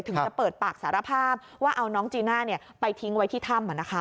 ถึงจะเปิดปากสารภาพว่าเอาน้องจีน่าไปทิ้งไว้ที่ถ้ำ